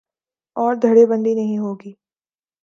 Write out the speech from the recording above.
اور دھڑے بندی نہیں ہو گی۔